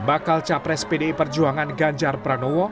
bakal capres pdi perjuangan ganjar pranowo